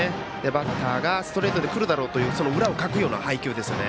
バッターがストレートでくるだろうとその裏をかくような配球ですよね。